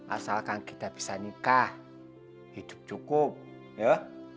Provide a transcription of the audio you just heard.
asalkan kita bisa nikah hidup cukup ya